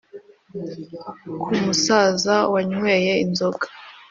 ku musaza wanyweye inzoga,